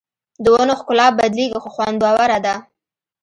د ونو ښکلا بدلېږي خو خوندوره ده